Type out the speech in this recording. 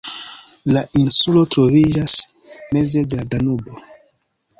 La insulo troviĝas meze de la Danubo.